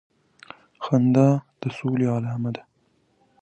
خندا د سولي علامه ده